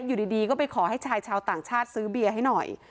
อยู่ดีก็ไปขอให้ชายชาวต่างชาติซื้อเบียร์ให้หน่อย